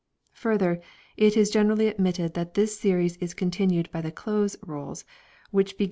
2 Further, it is generally admitted that this series is continued by the Close Rolls, 3 which begin as 'P.